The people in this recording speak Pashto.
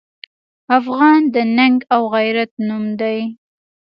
افغان د ننګ او غیرت نوم دی.